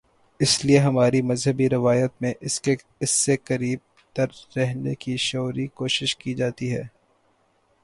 اس لیے ہماری مذہبی روایت میں اس سے قریب تر رہنے کی شعوری کوشش کی جاتی ہے۔